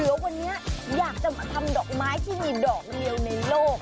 เดี๋ยววันนี้อยากจะมาทำดอกไม้ที่มีดอกเดียวในโลก